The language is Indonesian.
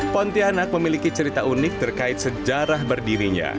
pontianak memiliki cerita unik terkait sejarah berdirinya